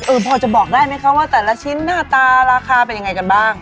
พอจะบอกได้ไหมคะว่าแต่ละชิ้นหน้าตาราคาเป็นยังไงกันบ้าง